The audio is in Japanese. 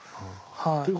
はい。